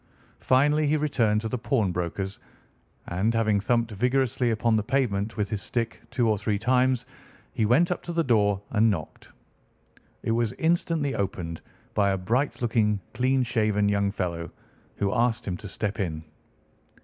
Finally he returned to the pawnbroker's, and, having thumped vigorously upon the pavement with his stick two or three times, he went up to the door and knocked. It was instantly opened by a bright looking, clean shaven young fellow, who asked him to step in.